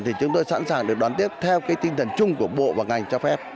thì chúng tôi sẵn sàng được đón tiếp theo cái tinh thần chung của bộ và ngành cho phép